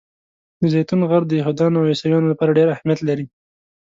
د زیتون غر د یهودانو او عیسویانو لپاره ډېر اهمیت لري.